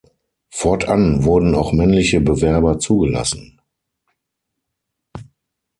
Fortan wurden auch männliche Bewerber zugelassen.